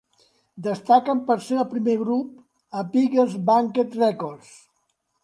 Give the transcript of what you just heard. Destaquen per ser el primer grup a Beggars Banquet Records.